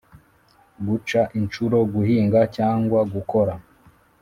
guca inshuro guhinga cyangwa gukora